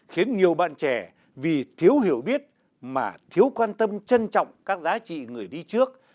khiến nhiều bạn trẻ vì thiếu hiểu biết mà thiếu quan tâm trân trọng các giá trị người đi trước